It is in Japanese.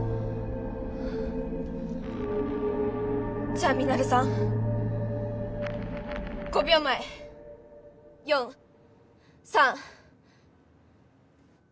じゃあミナレさん５秒前４３。